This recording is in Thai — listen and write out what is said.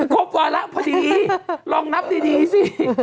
ครบวาระพอดีลองนับดีสิ